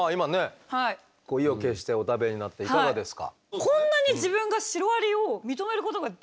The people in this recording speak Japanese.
こう意を決してお食べになっていかがですか？